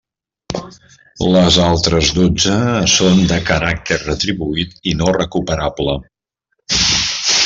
Les altres dotze són de caràcter retribuït i no recuperable.